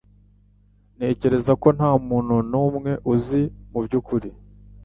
Ntekereza ko ntamuntu numwe uzi mubyukuri